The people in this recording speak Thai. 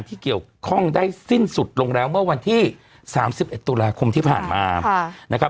ที่เกี่ยวข้องได้สิ้นสุดลงแล้วเมื่อวันที่๓๑ตุลาคมที่ผ่านมานะครับ